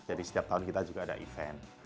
jadi setiap tahun kita juga ada event